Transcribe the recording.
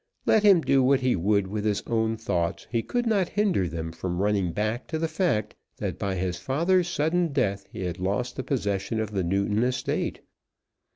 Let him do what he would with his own thoughts, he could not hinder them from running back to the fact that by his father's sudden death he had lost the possession of the Newton estate.